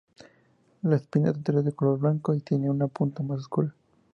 La espina central es de color blanco y tiene una punta más oscura.